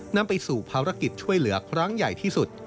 นำไปสู่ภารกิจช่วยเหลือครั้งใหญ่ที่สุด